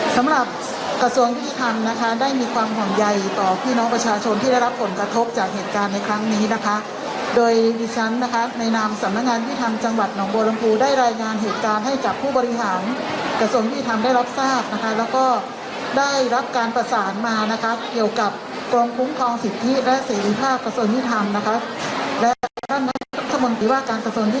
สำหรับกระทรวงพิธีธรรมนะคะได้มีความห่วงใยต่อพี่น้องประชาชนที่ได้รับผลกระทบจากเหตุการณ์ในครั้งนี้นะคะ